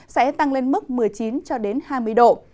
sẽ tăng lên mức một mươi chín hai mươi độ